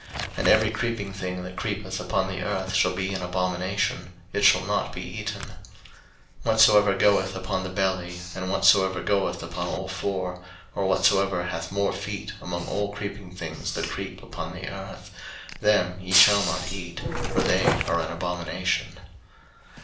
03:011:041 And every creeping thing that creepeth upon the earth shall be an abomination; it shall not be eaten. 03:011:042 Whatsoever goeth upon the belly, and whatsoever goeth upon all four, or whatsoever hath more feet among all creeping things that creep upon the earth, them ye shall not eat; for they are an abomination.